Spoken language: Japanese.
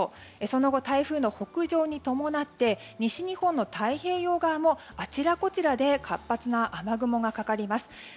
その後、台風の北上に伴って西日本の太平洋側もあちらこちらで活発な雨雲がかかります。